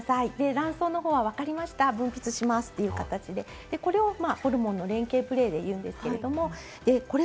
卵巣のほうは分かりました、分泌しますという形で、これをホルモンの連携プレーというんですけれども。